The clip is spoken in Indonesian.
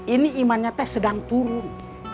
ini imannya teh sedang turun